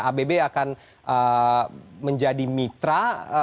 abb akan menjadi mitra